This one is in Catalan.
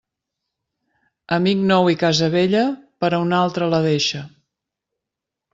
Amic nou i casa vella, per a un altre la deixa.